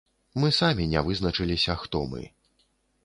Мы самі не вызначыліся, хто мы.